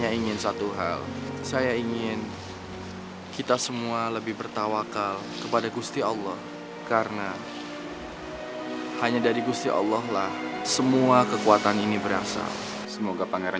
dengan apa kami harus bisa membalas semua kebaikan pangeran